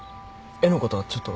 絵のことはちょっと。